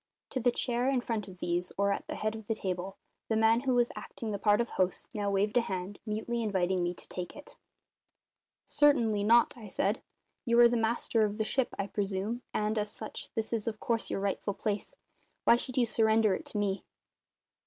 To the chair in front of these, or at the head of the table, the man who was acting the part of host now waved a hand, mutely inviting me to take it. "Certainly not," I said. "You are the master of the ship, I presume, and, as such, this is of course your rightful place. Why should you surrender it to me?"